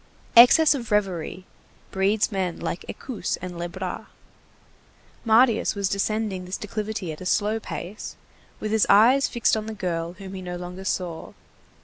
Excess of reverie breeds men like Escousse and Lebras. Marius was descending this declivity at a slow pace, with his eyes fixed on the girl whom he no longer saw.